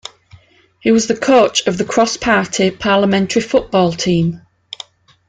He was the coach of the cross-party parliamentary football team.